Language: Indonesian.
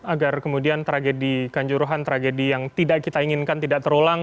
agar kemudian tragedi kanjuruhan tragedi yang tidak kita inginkan tidak terulang